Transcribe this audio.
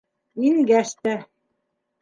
Ингәс тә.